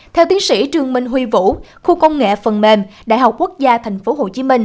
theo tiến sĩ trương minh huy vũ khu công nghệ phần mềm đại học quốc gia tp hcm